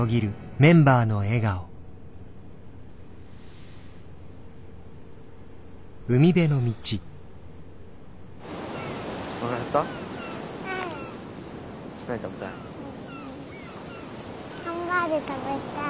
ハンバーグ食べたい。